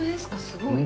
すごい。